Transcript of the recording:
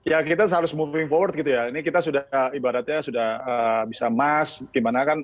ya kita harus moving forward gitu ya ini kita sudah ibaratnya sudah bisa emas gimana kan